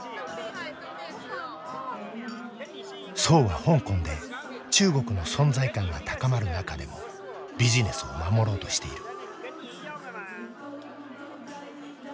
曽は香港で中国の存在感が高まる中でもビジネスを守ろうとしている。